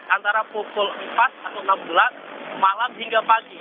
antara pukul empat atau enam bulan malam hingga pagi